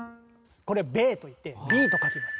これ「ベー」と言って「Ｂ」と書きます。